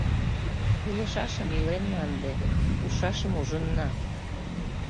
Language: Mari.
— Илышашым иленна ынде, ужшашым ужынна.